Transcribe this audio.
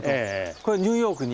これはニューヨークに？